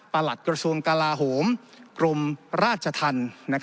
ประหลักกระทรวงกราหกรมราชทัน